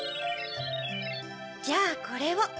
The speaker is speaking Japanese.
じゃあこれを。